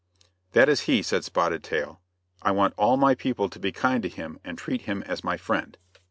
"That is he," said Spotted Tail. "I want all my people to be kind to him and treat him as my friend."